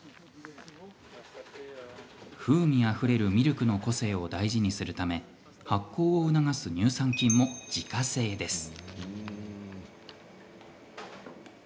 風味あふれるミルクの個性を大事にするため発酵を促す乳酸菌も自家製です。